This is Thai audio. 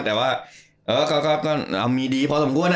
แต่ว่าเอามีดีพอสมบูรณ์อะ